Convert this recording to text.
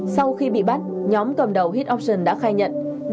sau khi bị bắt nhóm cầm đầu hit option đã khai nhận